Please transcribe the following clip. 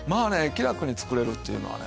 気楽に作れるというのはね。